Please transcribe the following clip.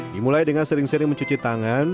dimulai dengan sering sering mencuci tangan